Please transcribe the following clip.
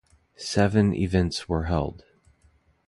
Seven events were held.